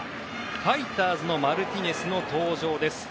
ファイターズのマルティネスの登場です。